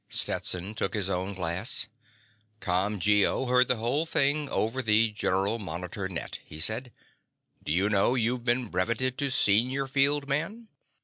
Stetson took his own glass. "ComGO heard the whole thing over the general monitor net," he said. "D'you know you've been breveted to senior field man?"